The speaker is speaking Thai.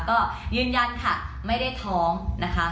ก็ยืนยันค่ะไม่ได้ท้องนะคะ